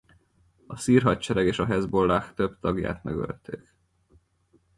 A szír hadsereg és a Hezbollah több tagját megölték.